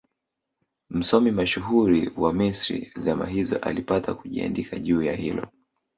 Msomi mashuhuri wa Misri zama hizo alipata kuandika juu ya hilo